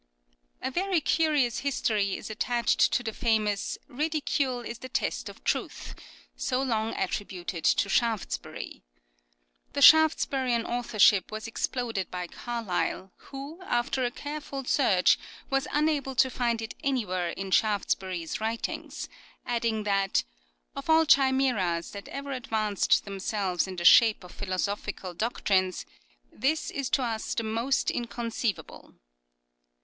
A very curious history is attached to the famous " Ridicule is the test of truth," so long attributed to Shaftesbury. The Shaftesburian authorship was exploded by Carlyle, who after a careful search was unable to find it anywhere in Shaftesbury's writings ; adding that " of all chimseras that ever advanced themselves in the shape of philo sophical doctrines, this is to us the most incon ceivable."